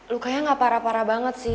lu kayaknya nggak parah parah banget sih